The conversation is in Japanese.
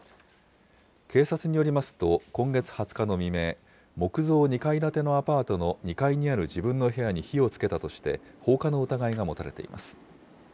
警察によりますと、今月２０日の未明、木造２階建てのアパートの２階にある自分の部屋に火をつけたとして、放火の疑いが持たれています。